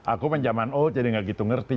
aku mah zaman old jadi nggak gitu ngerti